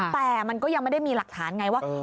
แต่มันก็ยังไม่ได้มีหลักฐานไงว่า